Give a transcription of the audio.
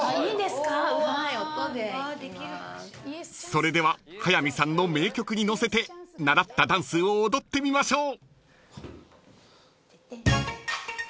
［それでは早見さんの名曲に乗せて習ったダンスを踊ってみましょう］